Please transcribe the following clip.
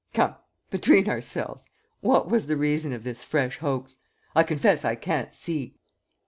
... Come, between ourselves, what was the reason of this fresh hoax? ... I confess I can't see